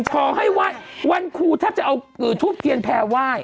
ขอให้วันครูถ้าจะเอากือทูปเทียนแพร่ไหว้